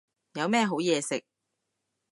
有咩好嘢食